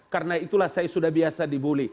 karena itulah saya sudah biasa dibully